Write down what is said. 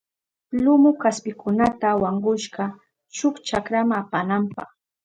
Lumu kaspikunata wankushka shuk chakrama apananpa.